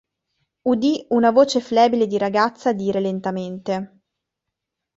Udì una voce flebile di ragazza dire lentamente.